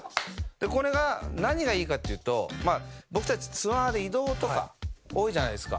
これが何がいいかっていうと僕たちツアーで移動とか多いじゃないですか。